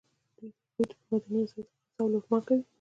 د هغوی پر معدني وسایلو قبضه او لوټمار کوي.